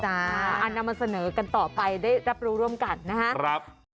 นำมาเสนอกันต่อไปได้รับรู้ร่วมกันนะครับ